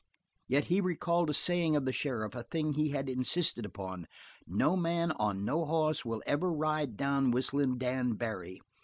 Yet he recalled a saying of the sheriff, a thing he had insisted upon: "No man on no hoss will ever ride down Whistlin' Dan Barry.